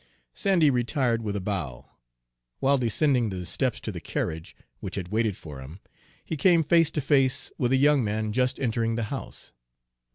Sandy retired with a bow. While descending the steps to the carriage, which had waited for him, he came face to face with a young man just entering the house.